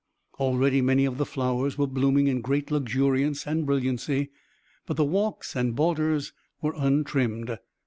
Already many of the flowers were blooming in great luxuriance and brilliancy, but the walks and borders were untrimmed.